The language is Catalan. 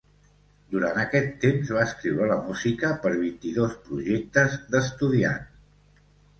Durant aquest temps va escriure la música per vint-i-dos projectes d'estudiant.